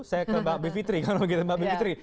saya ke mbak bivitri